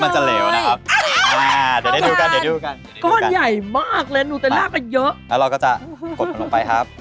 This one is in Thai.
ไม่เกินเข้าไปเลยนี่นะคะอ้าวถ้าเกินจะเหลวนะครับ